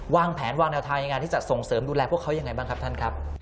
วางแผนวางแนวทางในการที่จะส่งเสริมดูแลพวกเขายังไงบ้างครับท่านครับ